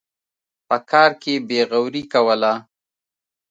په کار کې بېغوري کوله.